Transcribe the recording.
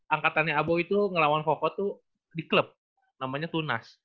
angkatannya abo itu ngelawan foko itu di klub namanya tunas